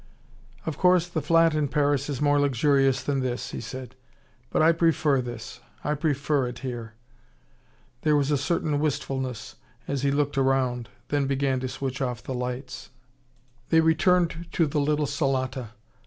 "Of course the flat in Paris is more luxurious than this," he said. "But I prefer this. I prefer it here." There was a certain wistfulness as he looked round, then began to switch off the lights. They returned to the little salotta.